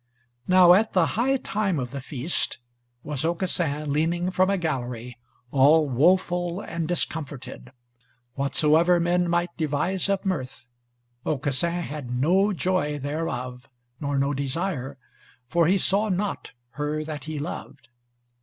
Now at the high time of the feast, was Aucassin leaning from a gallery, all woful and discomforted. Whatsoever men might devise of mirth, Aucassin had no joy thereof, nor no desire, for he saw not her that he loved.